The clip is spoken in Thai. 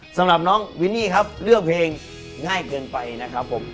สำหรับน้องวินนี่ครับเลือกเพลงง่ายเกินไปนะครับผม